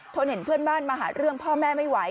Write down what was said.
นเห็นเพื่อนบ้านมาหาเรื่องพ่อแม่ไม่ไหว